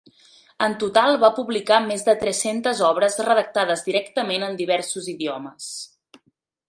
En total va publicar més de tres-centes obres redactades directament en diversos idiomes.